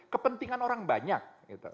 kepentingan orang banyak